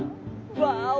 ワオ！